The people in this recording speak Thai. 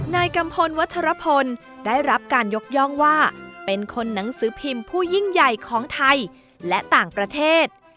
กัมพลวัชรพลได้รับการยกย่องว่าเป็นคนหนังสือพิมพ์ผู้ยิ่งใหญ่ของไทยและต่างประเทศ